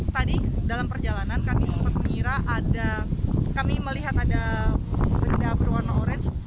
tadi dalam perjalanan kami sempat mengira ada kami melihat ada benda berwarna orange